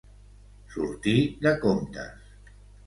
Sortir de comptes.